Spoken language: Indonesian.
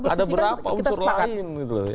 ada berapa unsur lain